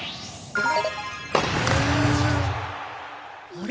あれ？